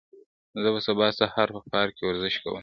زه به سبا سهار په پارک کې ورزش کوم.